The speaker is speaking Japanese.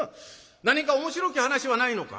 何か面白き話はないのか？」。